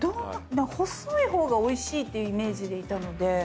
細い方がおいしいっていうイメージでいたので。